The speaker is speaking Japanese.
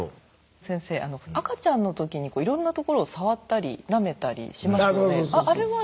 先生赤ちゃんの時にいろんな所を触ったりなめたりしますよね。